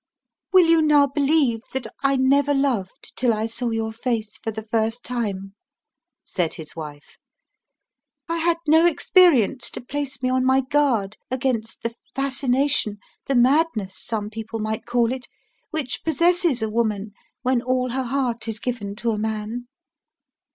"Will you now believe that I never loved till I saw your face for the first time?" said his wife. "I had no experience to place me on my guard against the fascination the madness, some people might call it which possesses a woman when all her heart is given to a man.